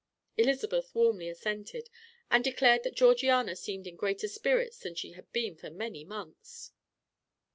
Elizabeth warmly assented, and declared that Georgiana seemed in greater spirits than she had been for many months.